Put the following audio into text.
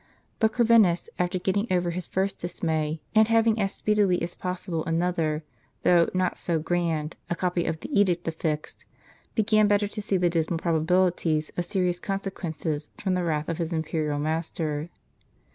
But Corvinus, after getting over his first dismay, and hav ing as speedily as possible another, though not so grand, a copy of the edict affixed, began better to see the dismal proba bilities of serious consequences from the wrath of his imperial master.